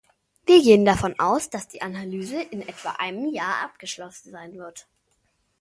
Wir gehen davon aus, dass die Analyse in etwa einem Jahr abgeschlossen sein wird.